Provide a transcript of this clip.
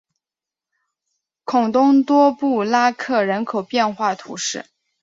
孔东多布拉克人口变化图示